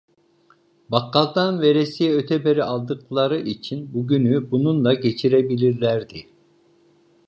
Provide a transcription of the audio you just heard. Bakkaldan veresiye öteberi aldıkları için bugünü bununla geçirebilirlerdi.